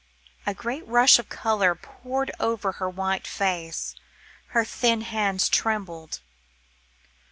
A great rush of colour poured over her white face, her thin hands trembled.